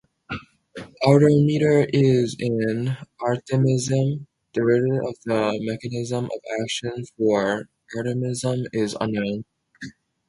Artemether is an artemisinin derivative and the mechanism of action for artemisinins is unknown.